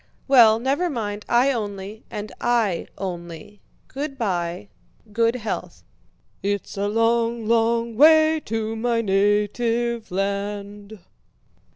"Well, never mind; I only..." "And I only..." "Good by." "Good health..." "It's a long, long way. To my native land..."